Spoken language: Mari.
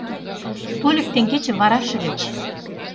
Тольык теҥгече вараш ыльыч.